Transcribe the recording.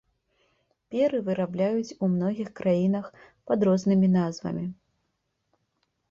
Перы вырабляюць ў многіх краінах пад рознымі назвамі.